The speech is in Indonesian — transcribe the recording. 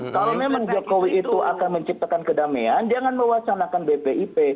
kalau memang jokowi itu akan menciptakan kedamaian jangan mewacanakan bpip